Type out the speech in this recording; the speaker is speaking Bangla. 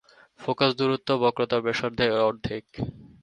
ফোকাস দূরত্ব বক্রতার ব্যাসার্ধের অর্ধেক।